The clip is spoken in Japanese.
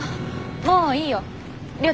もういいよりょ